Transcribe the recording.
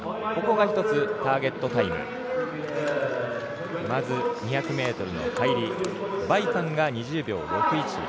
ここが一つ、ターゲットタイムまず２００ｍの入り梅韓が２０秒６１。